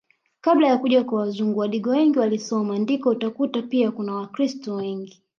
Kabla ya kuja kwa mzungu Wadigo wengi waliosoma ndiko utakuta pia kuna wakiristo wengi